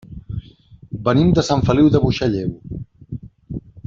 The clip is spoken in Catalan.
Venim de Sant Feliu de Buixalleu.